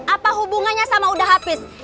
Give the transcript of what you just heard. apa hubungannya sama udah habis